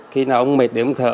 khi nào ông mệt để ông thở